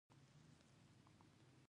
طلايي کښت دې رسیدلی